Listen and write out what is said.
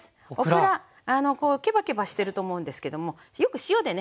ケバケバしてると思うんですけどもよく塩でね